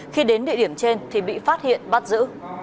khi đến địa điểm trên thì bị phát hiện bắt giữ